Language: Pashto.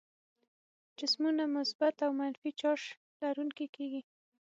جسمونه مثبت او منفي چارج لرونکي کیږي.